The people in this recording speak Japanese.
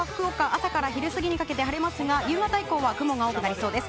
朝から昼過ぎにかけて晴れますが夕方以降は雲が多くなりそうです。